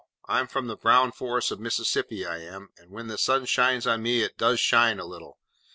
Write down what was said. I'm from the brown forests of Mississippi, I am, and when the sun shines on me, it does shine—a little.